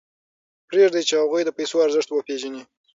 پرېږدئ چې هغوی د پیسو ارزښت وپېژني.